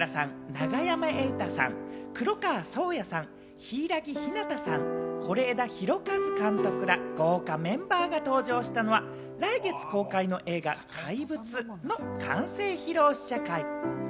昨日、安藤サクラさん、永山瑛太さん、黒川想矢さん、柊木陽太さん、是枝裕和監督ら豪華メンバーが登場したのは来月公開の映画『怪物』の完成披露試写会。